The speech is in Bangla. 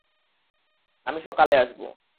আমি সকালে আসবো।